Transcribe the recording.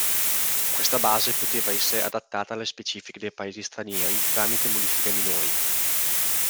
Questa base poteva essere adattata alle specifiche dei paesi stranieri tramite modifiche minori.